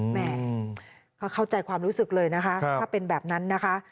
แม่ก็เข้าใจความรู้สึกเลยนะคะถ้าเป็นแบบนั้นนะคะ